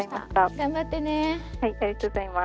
頑張ってね。